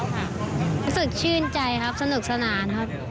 รู้สึกชื่นใจครับสนุกสนานครับ